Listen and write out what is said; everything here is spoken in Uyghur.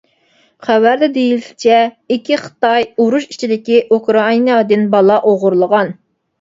خەۋەردە دېيىلىشىچە ئىككى خىتاي ئۇرۇش ئىچىدىكى ئۇكرائىنادىن بالا ئوغرىلىغان.